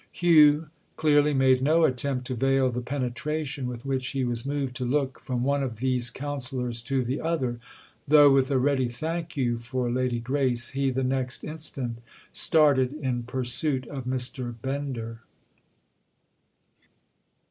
Hugh clearly made no attempt to veil the penetration with which he was moved to look from one of these counsellors to the other, though with a ready "Thank you!" for Lady Grace he the next instant started in pursuit of Mr. Bender.